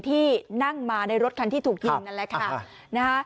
ที่นั่งมาในรถคันที่ถูกยิง